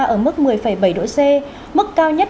ở mức một mươi bảy độ c mức cao nhất